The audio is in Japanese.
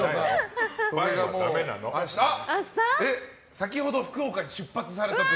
先ほど、福岡に出発されたと。